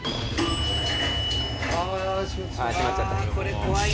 閉まっちゃった。